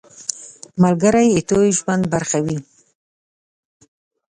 ملګری ستا د ژوند برخه وي.